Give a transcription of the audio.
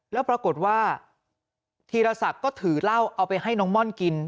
แล้วปรากฏว่าธีรศักดิ์ก็ถือเหล้าเอาไปให้น้องม่อนกิน